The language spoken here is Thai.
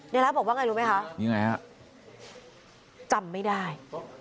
นายรักบอกว่าอย่างไรรู้ไหมคะจำไม่ได้